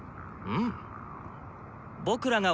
うん？